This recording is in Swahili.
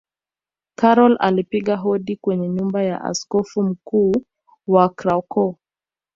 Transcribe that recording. karol alipiga hodi kwenye nyumba ya askofu mkuu wa Krakow